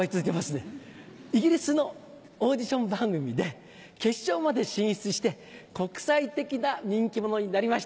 あのイギリスのオーディション番組で決勝まで進出して国際的な人気者になりました。